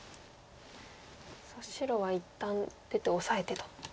白は一旦出てオサえてと。